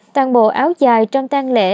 toàn bộ áo dài trong tan lễ